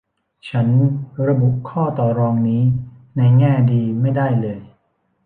ฉันระบุข้อต่อรองนี้ในแง่ดีไม่ได้เลย